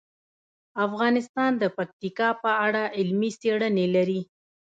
افغانستان د پکتیکا په اړه علمي څېړنې لري.